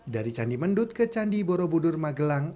dari candi mendut ke candi borobudur magelang